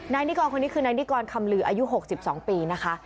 นายนิกรคนนี้คือนายนิกรคำลืออายุ๖๒ปีนะคะ